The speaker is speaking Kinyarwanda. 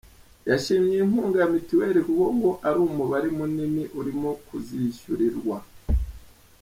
Yashimye iyi nkunga ya mituweli kuko ngo ari umubare munini urimo kuzishyurirwa.